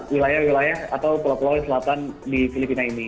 wilayah wilayah atau pulau pulau selatan di filipina ini